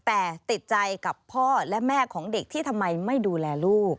แต่ติดใจกับพ่อและแม่ของเด็กที่ทำไมไม่ดูแลลูก